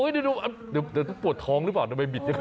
นะโห้ยณพอปวดท้องหรือป่ะทำไมบิดอย่างนั้น